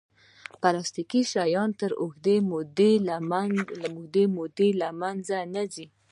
پلاستيکي شیان تر اوږدې مودې نه له منځه ځي.